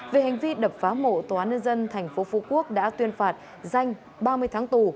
về hành vi đập phá mổ tòa án nhân dân tp phú quốc đã tuyên phạt danh ba mươi tháng tù